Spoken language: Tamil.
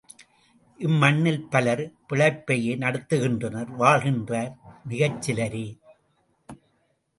இம்மண்ணில் பலர் பிழைப்பையே நடத்துகின்றனர் வாழ்கின்றார் மிகச்சிலரே.